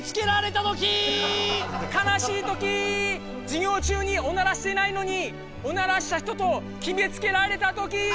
授業中におならしてないのに「おならした人」と決めつけられたときー！